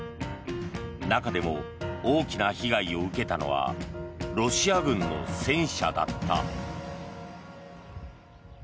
中でも大きな被害を受けたのはロシア軍の戦車だった。